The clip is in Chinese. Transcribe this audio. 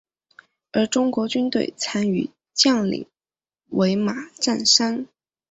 而中国军队参与将领为马占山。